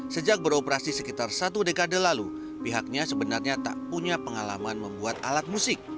sejak beroperasi sekitar satu dekade lalu pihaknya sebenarnya tak punya pengalaman membuat alat musik